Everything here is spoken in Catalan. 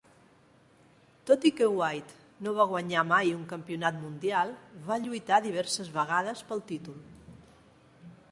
Tot i que White no va guanyar mai un campionat mundial, va lluitar diverses vegades pel títol.